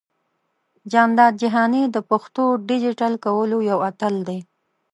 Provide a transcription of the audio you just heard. جانداد جهاني د پښتو ډىجيټل کولو يو اتل دى.